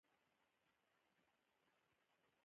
په دې ورځو کې مې بامیانو پسې زړه تنګ شوی.